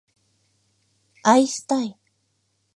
愛したい